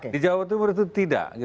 di jawa timur itu tidak